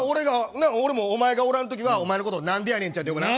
俺もお前がおらんの時はお前のことなんでやねんちゃんって呼ぶな。